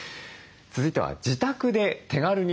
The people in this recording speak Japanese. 続いては自宅で手軽に楽しめる